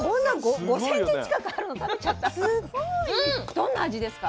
どんな味ですか？